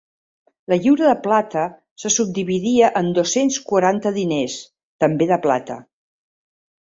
La lliura de plata se subdividia en dos-cents quaranta diners, també de plata.